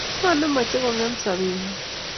ngo nemache kong'em sobee nyi